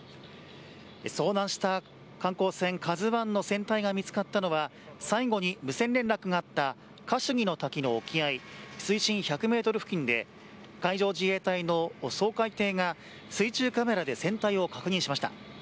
遭難した観光船「ＫＡＺＵ１」の船体が見つかったのは最後に無線連絡があったカシュニの滝の沖合水深１００ｍ付近で海上自衛隊の掃海艇が水中カメラで船体を確認しました。